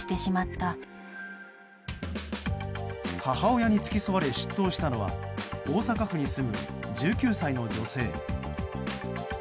母親に付き添われ出頭したのは大阪府に住む１９歳の女性。